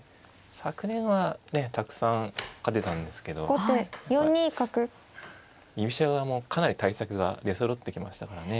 昨年はねたくさん勝てたんですけど居飛車側もかなり対策が出そろってきましたからね。